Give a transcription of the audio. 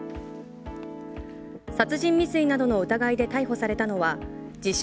殺人未遂などの疑いで逮捕されたのは自称